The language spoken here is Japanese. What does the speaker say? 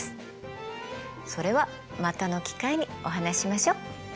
それはまたの機会にお話ししましょう。